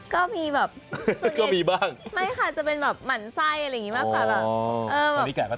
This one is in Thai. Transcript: ก็มีแบบจะเป็นแบบหมั่นไส้อะไรอย่างนี้มากกว่า